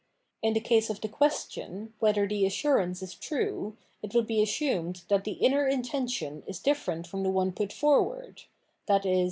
In the case of the ques tion, whether the assmrance is true, it would be assumed that the inner intention is different from the one put forward, i.e.